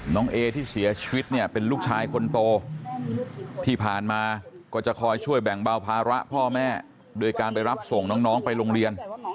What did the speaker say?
เอที่เสียชีวิตเนี่ยเป็นลูกชายคนโตที่ผ่านมาก็จะคอยช่วยแบ่งเบาภาระพ่อแม่โดยการไปรับส่งน้องไปโรงเรียน